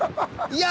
いや！